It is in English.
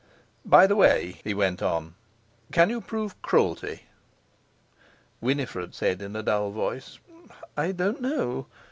"By the way," he went on, "can you prove cruelty?" Winifred said in a dull voice: "I don't know.